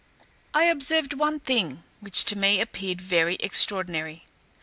I observed one thing, which to me appeared very extraordinary.